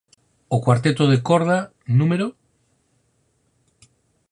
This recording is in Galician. O Cuarteto de corda núm.